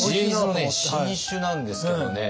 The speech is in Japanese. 新酒なんですけどね。